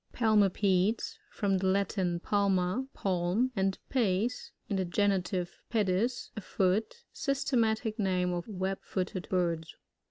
PALMiPi.Des. — From the Latin, /Ni/mff, palm, and pes^ (in the genitive, pedis ^) a foot. Systematic name of web.ft>nted birds.